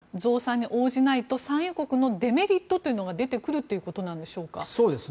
あまりに高止まりさせたまま増産に応じないと産油国のデメリットというのが出てくるということでしょうか。